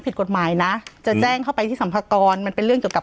ผิดกฎหมายนะจะแจ้งเข้าไปที่สัมภากรมันเป็นเรื่องเกี่ยวกับ